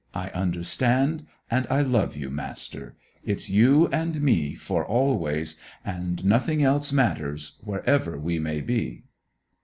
I understand; and I love you, Master. It's you and me, for always; and nothing else matters, wherever we may be!"